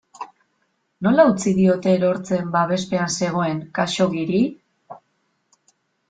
Nola utzi diote erortzen babespean zegoen Khaxoggiri?